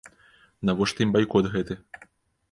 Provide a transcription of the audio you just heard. Навошта ім байкот гэты?